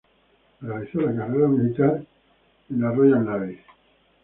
Realizó la carrera militar en la Royal Navy.